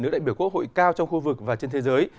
nữ đại biểu quốc hội cao trong khu vực và trên thế giới